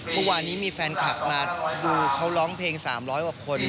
เมื่อวานนี้มีแฟนคลับมาดูเขาร้องเพลง๓๐๐กว่าคน